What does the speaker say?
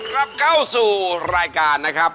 กลับเข้าสู่รายการนะครับ